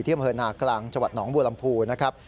อำเภอนากลางจังหวัดหนองบัวลำพูนะครับ